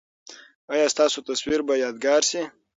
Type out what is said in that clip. ایا ستاسو تصویر به یادګار شي؟